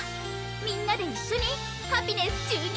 みんなで一緒にハピネス注入！